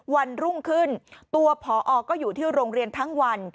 วันรุ่งขึ้นตัวพอก็อยู่ที่โรงเรียนทั้งวัน